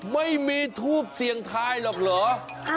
ไม่มีทูบเสี่ยงทายหรอกเหรอ